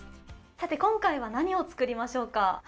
今回は何を作りましょうか？